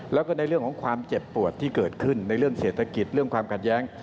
แล้วก็ในเรื่องของความเจ็บปวดที่เกิดขึ้นในเรื่องเศรษฐกิจเรื่องความขัดแย้ง